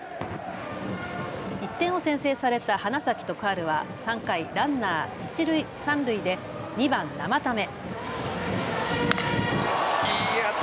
１点を先制された花咲徳栄は３回、ランナー、一塁・三塁で２番・生田目。